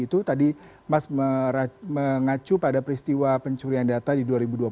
itu tadi mas mengacu pada peristiwa pencurian data di dua ribu dua puluh